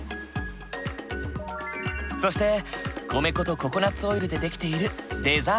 そして米粉とココナッツオイルで出来ているデザート。